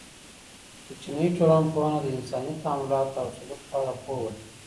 کوچنۍ ټولنپوهنه د انساني تعاملاتو او سلوک په اړه پوهه ورکوي.